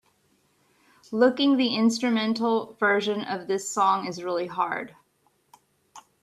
Looking the instrumntal verion of this song is really hard.